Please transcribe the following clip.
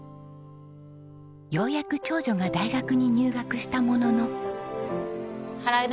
ようやく長女が大学に入学したものの。